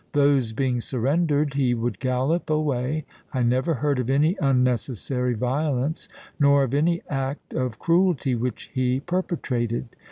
Those being surrendered, he would gallop away. I never heard of any unnecessary violence—nor of any act of cruelty which he perpetrated.